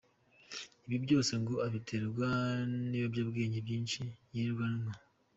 Ibi byose ngo abiterwa n’ibiyobya bwenge byinshi yirirwa anywa.